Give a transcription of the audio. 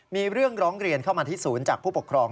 มีเรื่องร้องเรียนเข้ามาที่ศูนย์จากผู้ปกครอง